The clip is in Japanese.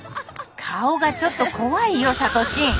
顔がちょっと怖いよさとちん。